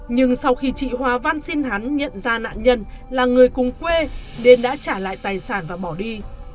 nhưng sau khi chị hòa văn xin hắn nhận ra nạn nhân là người cùng quê nên đã trả lại tài sản và bỏ đi